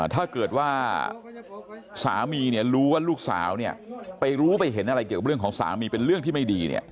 ถ้าเกิดว่าสามีเนี่ยรู้ว่าลูกสาวเนี่ยไปรู้ไปเห็นอะไรเกี่ยวกับเรื่องของสามีเป็นเรื่องที่ไม่ดีเนี่ย